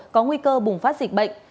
có nguy cơ bùng phát dịch bệnh